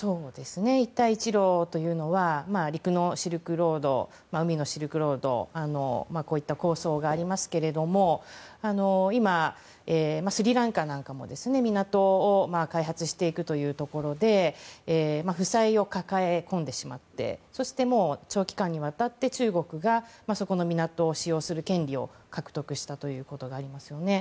一帯一路というのは陸のシルクロード海のシルクロードこういった構想がありますけども今、スリランカなんかも港を開発していくというところで負債を抱え込んでしまって長期間にわたって中国がそこの港を使用する権利を獲得したことがありますよね。